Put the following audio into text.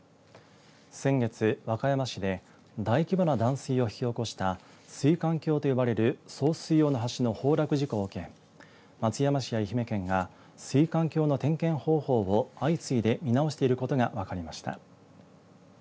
先月、和歌山市で大規模な断水を引き起こした水管橋と呼ばれる送水用の橋の崩落事故を受け松山市や愛媛県が水管橋の点検方法を相次いで見直していることが分かりました。